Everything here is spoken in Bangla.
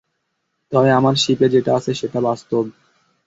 তবে আমার শিপে যেটা আছে সেটা বাস্তব।